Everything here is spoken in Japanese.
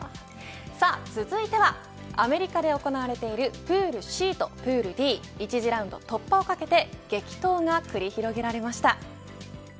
続いてはアメリカで行われているプールＣとプールＤ１次ラウンド突破をかけて激闘が繰り広げられました。